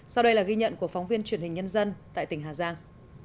sau đây là ghi nhận của phóng viên truyền hình nhân dân tại tỉnh hà giang